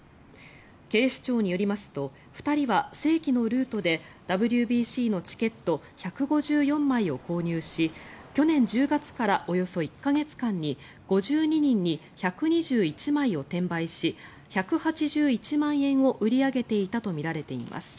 警視庁によりますと２人は正規のルートでＷＢＣのチケット１５４枚を購入し去年１０月からおよそ１か月間に５２人に１２１枚を転売し１８１万円を売り上げていたとみられています。